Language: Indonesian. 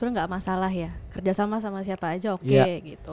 gak masalah ya kerjasama sama siapa aja oke